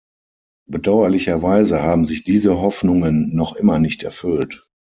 Bedauerlicherweise haben sich diese Hoffnungen noch immer nicht erfüllt.